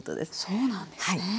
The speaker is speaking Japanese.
そうなんですね。